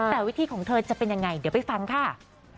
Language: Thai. แต่วิธีของเธอจะเป็นยังไงเดี๋ยวไปฟังค่ะ